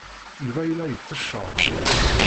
Yuba yella yettecceḍ.